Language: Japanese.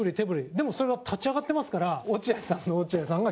でも、それは立ち上がってますから落合さんの落合さんが。